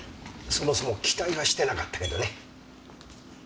そもそも期待はしてなかったけどね。